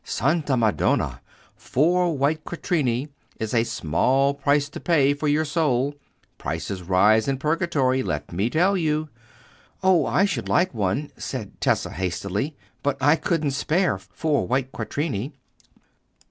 Santa Madonna! Four white quattrini is a small price to pay for your soul—prices rise in purgatory, let me tell you." "Oh, I should like one," said Tessa, hastily, "but I couldn't spare four white quattrini."